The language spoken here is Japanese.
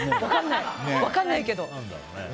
分からないけど。